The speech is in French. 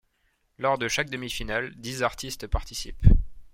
Lors de chaque demi-finale, dix artistes participent.